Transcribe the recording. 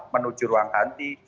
menuju ruang ganti